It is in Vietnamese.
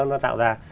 nó tạo ra